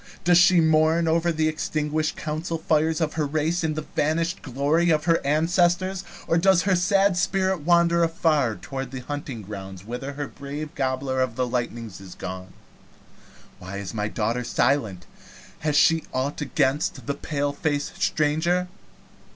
Does she mourn over the extinguished council fires of her race, and the vanished glory of her ancestors? Or does her sad spirit wander afar toward the hunting grounds whither her brave Gobbler of the Lightnings is gone? Why is my daughter silent? Has she ought against the paleface stranger?"